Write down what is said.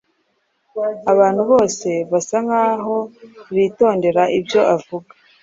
Abantu bose basa nkaho bitondera ibyo avuga.